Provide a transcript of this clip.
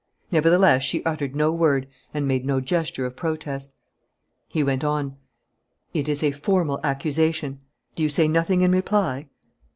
Nevertheless, she uttered no word and made no gesture of protest. He went on: "It is a formal accusation. Do you say nothing in reply?"